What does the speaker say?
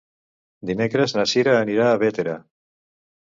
Dimecres na Cira anirà a Bétera.